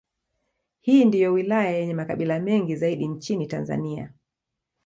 Hii ndiyo wilaya yenye makabila mengi zaidi nchini Tanzania.